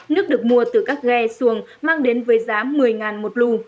nước được mua từ các ghe xuồng mang đến với giá một mươi một lù